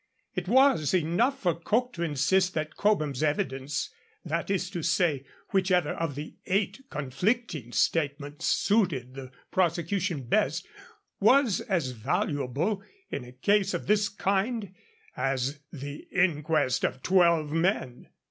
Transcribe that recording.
It was enough for Coke to insist that Cobham's evidence, that is to say, whichever of the eight conflicting statements suited the prosecution best, was as valuable, in a case of this kind, as 'the inquest of twelve men.'